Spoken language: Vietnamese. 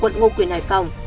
tp ngô quyền hải phòng